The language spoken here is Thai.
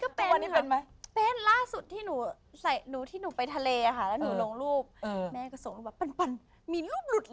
เป็นวันนี้เป็นไหมเป็นล่าสุดที่หนูใส่หนูที่หนูไปทะเลอะค่ะแล้วหนูลงรูปแม่ก็ส่งรูปแบบวันมีรูปหลุดเลย